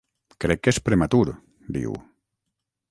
Crec que és prematur, diu.